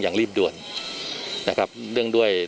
รีบด่วนนะครับเนื่องด้วย